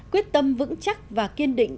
quyết tâm vững chắc và kiên định